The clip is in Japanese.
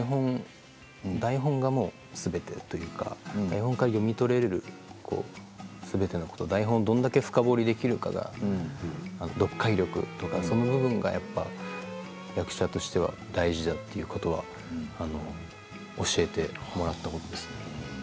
台本がすべてというか台本から読み取れるすべてのこと台本をどれだけ深掘りできるかが読解力とかそういう部分が役者としては大事だということは教えてもらいました。